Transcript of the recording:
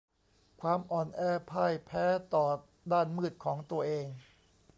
ความอ่อนแอพ่ายแพ้ต่อด้านมืดของตัวเอง